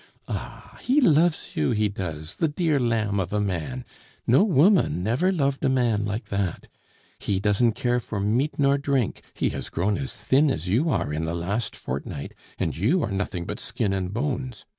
Ah! he loves you, he does, the dear lamb of a man; no woman never loved a man like that! He doesn't care for meat nor drink; he has grown as thin as you are in the last fortnight, and you are nothing but skin and bones.